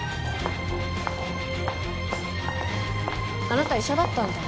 あなた医者だったんだ。